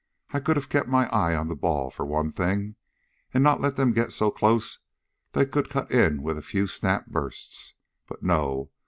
"I could have kept my eye on the ball, for one thing, and not let them get so close they could cut in with a few snap bursts. But no!